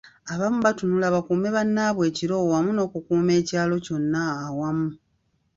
Abamu batunula bakuume bannaabwe ekiro wamu n’okukuuma ekyalo kyonna awamu.